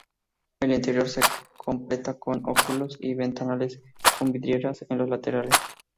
El interior se completa con óculos y ventanales con vidrieras en los laterales.